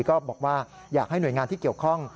ก็บอกว่าอยากให้หน่วยงานที่เกี่ยวข้อง